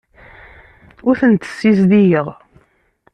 Ur tent-ssizdigeɣ.